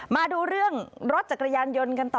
มาดูเรื่องรถจักรยานยนต์กันต่อ